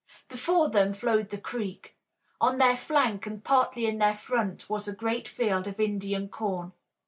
Before them flowed the creek. On their flank and partly in their front was a great field of Indian corn.